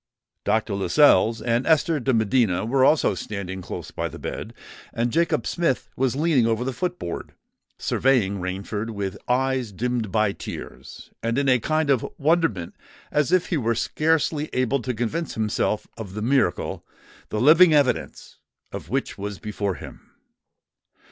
Dr. Lascelles and Esther de Medina were also standing close by the bed; and Jacob Smith was leaning over the foot board, surveying Rainford with eyes dimmed by tears, and in a kind of wonderment as if he were scarcely able to convince himself of the miracle the living evidence of which was before him.